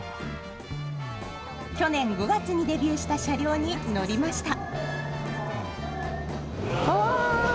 去年５月にデビューした車両に乗りました。